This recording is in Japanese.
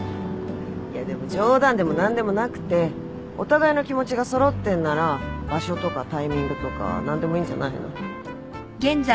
いやでも冗談でも何でもなくてお互いの気持ちが揃ってんなら場所とかタイミングとか何でもいいんじゃないの？